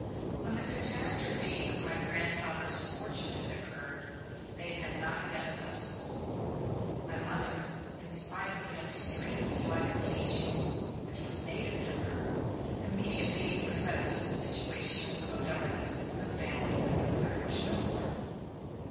When the catastrophe of my grandfather's fortune had occurred, they had not yet left school. My Mother, in spite of an extreme dislike of teaching, which was native to her, immediately accepted the situation of a governess in the family of an Irish nobleman.